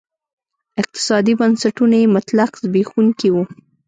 اقتصادي بنسټونه یې مطلق زبېښونکي وو.